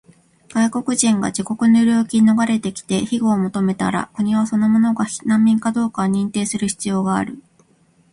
外国人が自国の領域に逃れてきて庇護を求めたら、国はその者が難民かどうかを認定する必要がある。